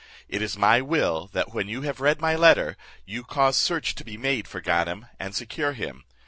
It is my will, that when you have read my letter, you cause search to be made for Ganem, and secure him.